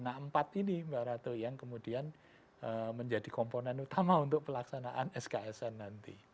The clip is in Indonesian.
nah empat ini mbak ratu yang kemudian menjadi komponen utama untuk pelaksanaan sksn nanti